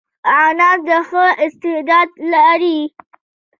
انعام د ښه استعداد لري.